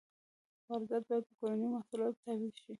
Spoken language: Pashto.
واردات باید په کورنیو محصولاتو تعویض شي.